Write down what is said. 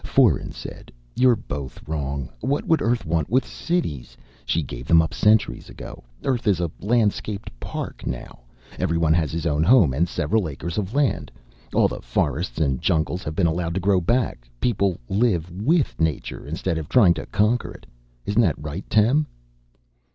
Foeren said, "You're both wrong. What would Earth want with cities? She gave them up centuries ago. Earth is a landscaped park now. Everyone has his own home and several acres of land. All the forests and jungles have been allowed to grow back. People live with nature instead of trying to conquer it. Isn't that right, Tem?"